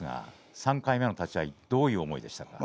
３回目の立ち合いどういう思いでしたか。